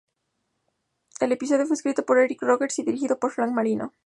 El episodio fue escrito por Eric Rogers y dirigido por Frank Marino.